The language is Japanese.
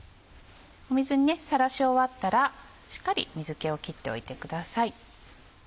水にさらし終わったらしっかり水気を切っておいてください。